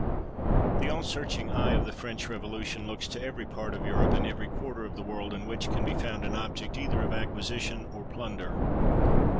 The all searching eye of the French Revolu tion looks to every part of Europe and every quarter of the world in which can be found an object either of acquisition or plunder.